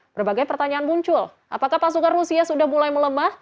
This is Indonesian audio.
berbagai pertanyaan muncul apakah pasukan rusia sudah mulai melemah